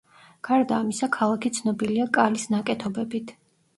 გარდა ამისა, ქალაქი ცნობილია კალის ნაკეთობებით.